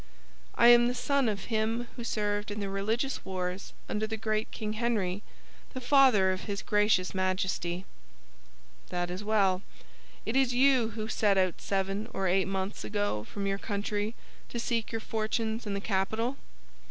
"I am the son of him who served in the Religious Wars under the great King Henry, the father of his gracious Majesty." "That is well. It is you who set out seven or eight months ago from your country to seek your fortune in the capital?"